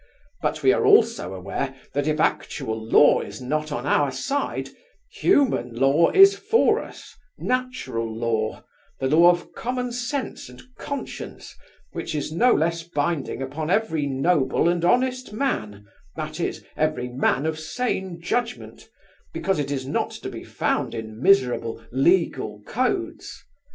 But we are also aware that if actual law is not on our side, human law is for us, natural law, the law of common sense and conscience, which is no less binding upon every noble and honest man—that is, every man of sane judgment—because it is not to be found in miserable legal codes.